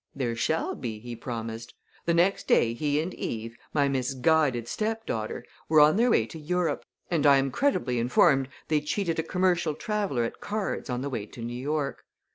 'There shall be,' he promised. The next day he and Eve, my misguided stepdaughter, were on their way to Europe; and I am credibly informed they cheated a commercial traveler at cards on the way to New York.